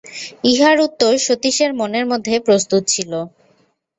ইহার উত্তর সতীশের মনের মধ্যে প্রস্তুত ছিল।